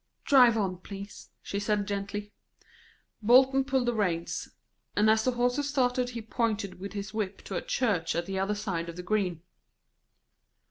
"Drive on, please," she said gently. Bolton pulled the reins, and as the horses started he pointed with his whip to a church at the other side of the green.